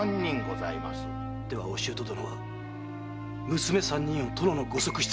ではお舅どのは娘三人を殿のご側室に？